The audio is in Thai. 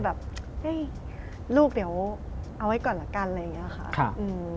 แบบลูกเดี๋ยวเอาไว้ก่อนละกันอะไรอย่างนี้ค่ะอืม